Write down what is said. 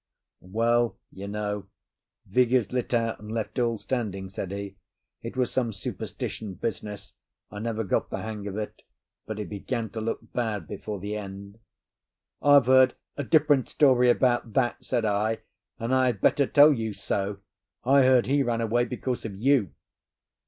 "Well, you know, Vigours lit out and left all standing," said he. "It was some superstition business—I never got the hang of it but it began to look bad before the end." "I've heard a different story about that," said I, "and I had better tell you so. I heard he ran away because of you."